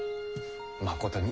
まことに。